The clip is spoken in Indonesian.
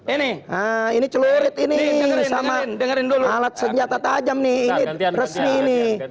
ini ini celurit ini sama alat senjata tajam nih ini resmi ini